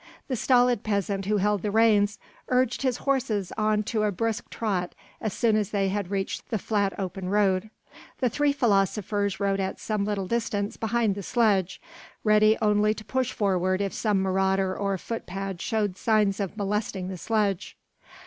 The stolid peasant who held the reins urged his horses on to a brisk trot as soon as they had reached the flat open road. The three philosophers rode at some little distance behind the sledge, ready only to push forward if some marauder or footpad showed signs of molesting the sledge.